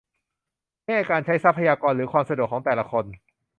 แง่การใช้ทรัพยากรหรือความสะดวกของแต่ละคน